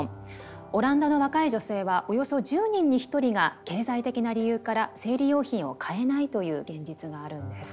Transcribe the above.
オランダの若い女性はおよそ１０人に１人が経済的な理由から生理用品を買えないという現実があるんです。